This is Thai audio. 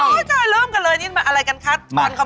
ใช่ใช่เริ่มกันเลยอะไรกันคะมันขมง